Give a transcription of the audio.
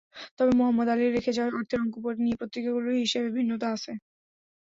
তবে মোহাম্মদ আলীর রেখে যাওয়া অর্থের অঙ্ক নিয়ে পত্রিকাগুলোর হিসাবে ভিন্নতা আছে।